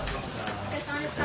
お疲れさまでした。